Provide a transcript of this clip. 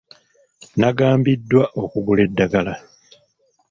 Nnagambiddwa okugula eddagala.